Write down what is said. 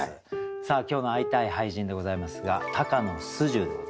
さあ今日の「会いたい俳人」でございますが高野素十でございます。